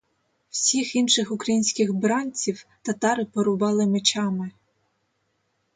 Всіх інших українських бранців татари порубали мечами.